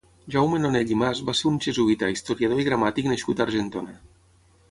Jaume Nonell i Mas va ser un jesuïta, historiador i gramàtic nascut a Argentona.